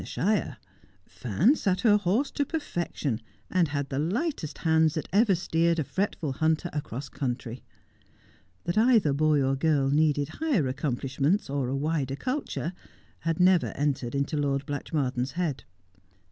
123 the shire; Fan sat her horse to perfection, and had the lightest hands that ever steered a fretful hunter across country. That either boy or girl needed higher accomplishments or a wider culture had never entered into Lord Blatchmardean's head.